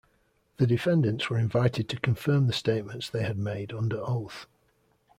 The defendants were invited to confirm the statements they had made under oath.